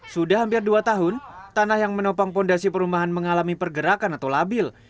sudah hampir dua tahun tanah yang menopang fondasi perumahan mengalami pergerakan atau labil